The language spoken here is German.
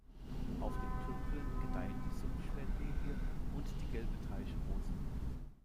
Auf den Tümpeln gedeihen die Sumpfschwertlilie und die Gelbe Teichrose.